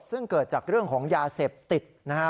ซึ่งเกิดจากเรื่องของยาเสพติดนะฮะ